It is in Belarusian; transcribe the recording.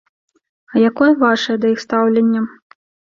А якое вашае да іх стаўленне?